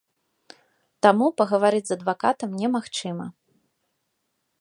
Таму пагаварыць з адвакатам немагчыма.